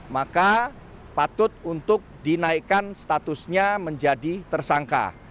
maka patut untuk dinaikkan statusnya menjadi tersangka